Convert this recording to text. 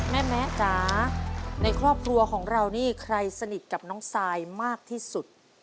แม่แม้จ๋าในครอบครัวของเรานี่ใครสนิทกับน้องซายมากที่สุด